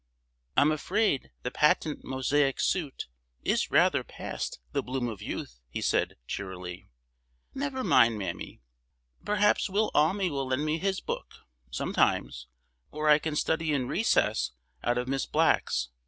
"I'm afraid the Patent Mosaic Suit is rather past the bloom of youth," he said, cheerily. "Never mind, mammy! Perhaps Will Almy will lend me his book, sometimes, or I can study in recess out of Miss Black's.